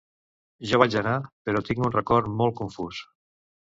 Jo vaig anar, però tinc un record molt confús.